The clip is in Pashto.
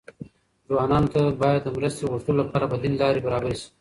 ځوانانو ته باید د مرستې غوښتلو لپاره بدیل لارې برابرې شي.